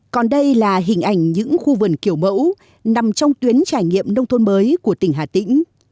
còn đây là hình ảnh những khu vườn kiểu mẫu nằm trong tuyến trải nghiệm nông thôn mới của tỉnh hà tĩnh